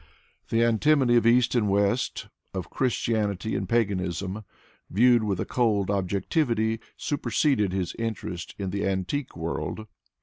The antinomy of east and west, of Christianity and paganism, viewed with a cold objectivity, superseded his interest in the antique world.